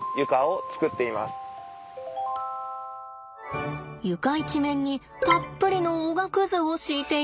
床一面にたっぷりのおがくずを敷いているんです。